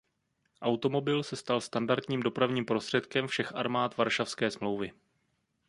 Automobil se stal standardním dopravním prostředkem všech armád Varšavské smlouvy.